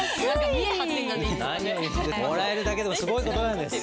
もらえるだけでもすごい事なんです。